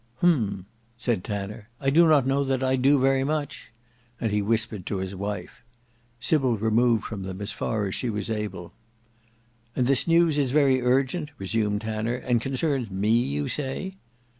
"Hem!" said Tanner: "I do not know that I do very much," and he whispered to his wife. Sybil removed from them as far as she was able. "And this news is very urgent," resumed Tanner; "and concerns me you say?"